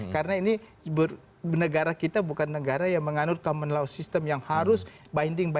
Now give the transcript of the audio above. karena ini negara kita bukan negara yang menganur common law system yang harus binding law